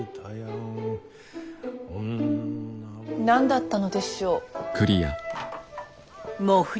何だったのでしょう。